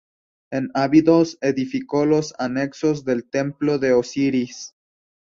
En Abidos edificó los anexos del templo de Osiris.